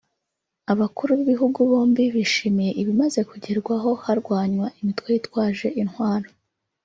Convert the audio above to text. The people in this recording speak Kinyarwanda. Abakuru b’Ibihugu bombi bishimiye ibimaze kugerwaho harwanywa imitwe yitwaje intwaro